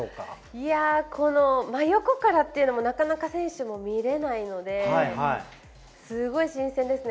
真横からっていうのも、なかなか選手も見れないので、すごい新鮮ですね。